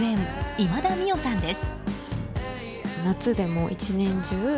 今田美桜さんです。